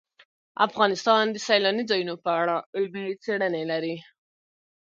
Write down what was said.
افغانستان د سیلاني ځایونو په اړه علمي څېړنې لري.